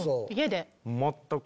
全く。